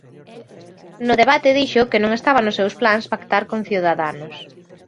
No debate dixo que non estaba nos seus plans pactar con Ciudadanos.